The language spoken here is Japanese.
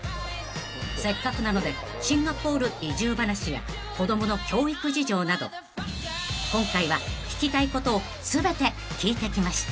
［せっかくなのでシンガポール移住話や子供の教育事情など今回は聞きたいことを全て聞いてきました］